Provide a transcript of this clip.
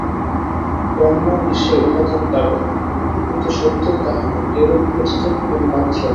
ব্রহ্ম বিশ্বের উপাদান-কারণ, কিন্তু সত্যই তাহা নন, ঐরূপ প্রতীত হন মাত্র।